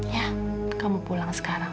ya kamu pulang sekarang